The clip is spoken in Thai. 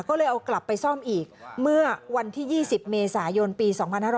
ก็เลยเอากลับไปซ่อมอีกเมื่อวันที่๒๐เมษายนปี๒๕๕๙